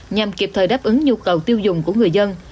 nhằm kịp thời đáp ứng nhu cầu tiêu dùng của người dân